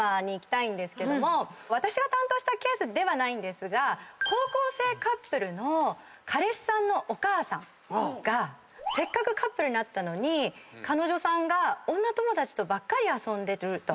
私が担当したケースではないですが高校生カップルの彼氏さんのお母さんがせっかくカップルになったのに彼女さんが女友達とばっかり遊んでると。